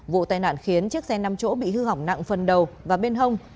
vụ tai nạn khiến chiếc xe năm chỗ bị hư hỏng nặng phần đầu và bên hông